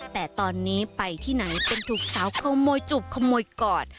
แต่ตอนนี้ไปที่ไหนเป็นถูกสาวขโมยจูบขโมยก่อน